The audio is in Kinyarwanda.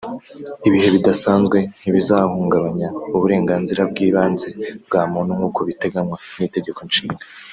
Ibihe bidasanzwe ntibizahungabanya uburenganzira bw’ibanze bwa muntu nk’uko biteganywa n’Itegeko Nshinga